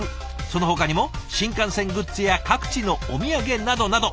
そのほかにも新幹線グッズや各地のお土産などなど。